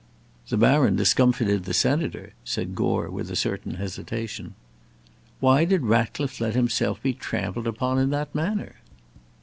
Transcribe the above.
"The baron discomfited the senator," said Gore, with a certain hesitation. "Why did Ratcliffe let himself be trampled upon in that manner?"